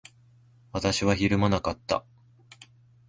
私はひるまなかった。